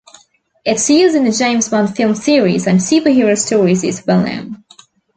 Its use in the James Bond film series and superhero stories is well known.